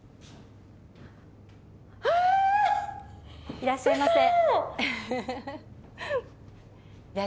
いらっしゃいませ嘘！？